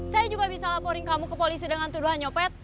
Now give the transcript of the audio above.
saya juga bisa laporin kamu ke polisi dengan tuduhan nyopet